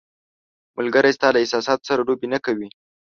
ملګری ستا له احساساتو سره لوبې نه کوي.